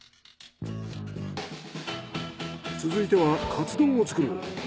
続いてはカツ丼を作る。